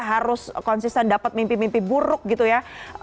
harus konsisten dapat mimpi mimpi buruk gitu ya